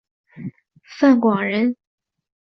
范广人。